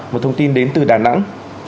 một thông tin đến từ đà nẵng